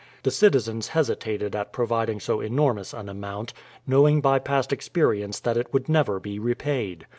The citizens hesitated at providing so enormous an amount, knowing by past experience that it would never be repaid.